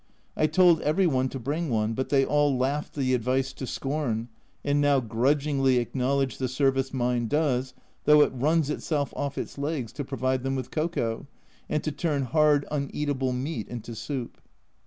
I told every one to bring one, but they all laughed the advice to scorn, and now grudgingly acknowledge the service mine does, though it runs itself off its legs to provide them with cocoa, and to turn hard uneatable meat into soup.